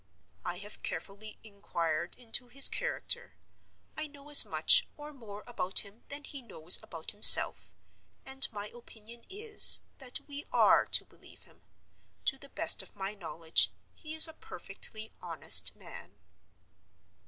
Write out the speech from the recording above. I have carefully inquired into his character; I know as much, or more, about him than he knows about himself; and my opinion is, that we are to believe him. To the best of my knowledge, he is a perfectly honest man.